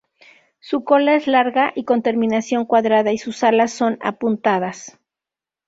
Su cola es larga y con terminación cuadrada, y sus alas son apuntadas.